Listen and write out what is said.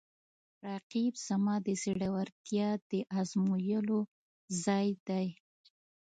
رقیب زما د زړورتیا د ازمویلو ځای دی